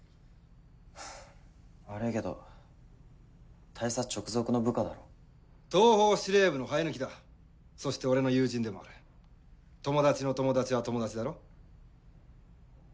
はぁ悪いけど大佐直属の部下だろ東方司令部の生え抜きだそして俺の友人でもある友達の友達は友達だろ？